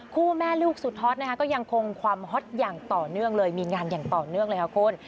แม่ลูกสุดฮอตนะคะก็ยังคงความฮอตอย่างต่อเนื่องเลยมีงานอย่างต่อเนื่องเลยค่ะคุณ